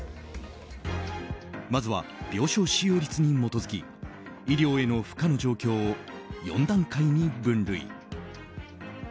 まずは、病棟使用率に基づき医療への負荷の状況を４段階に分類。